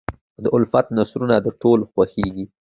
د الفت نثرونه د ټولو خوښېږي.